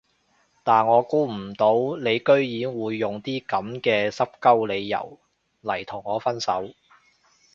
但我估唔到你居然會用啲噉嘅濕鳩理由嚟同我分手